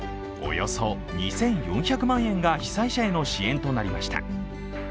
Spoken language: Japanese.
およそ２４００万円が被災者への支援となりました。